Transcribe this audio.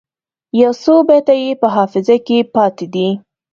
یو څو بیته یې په حافظه کې پاته دي.